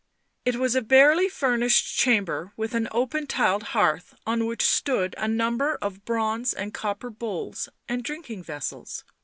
It was a a barely furnished chamber, with an open tiled hearth on which stood a number of bronze and copper bowls and drinking vessels.